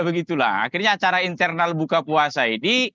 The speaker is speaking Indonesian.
begitulah akhirnya acara internal buka puasa ini